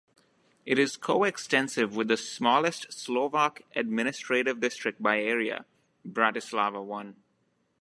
It is coextensive with the smallest Slovak administrative district by area, Bratislava One.